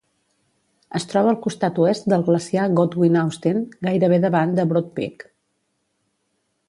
Es troba al costat oest del glaciar Godwin-Austen, gairebé davant de Broad Peak.